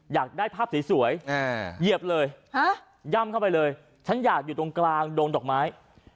อยากได้ภาพสวยเหยียบเลยย่ำเข้าไปเลยฉันอยากอยู่ตรงกลางดงดอกไม้